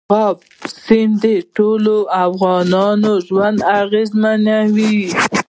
مورغاب سیند د ټولو افغانانو ژوند اغېزمن کوي.